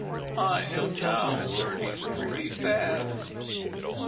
I am now learning pretty fast."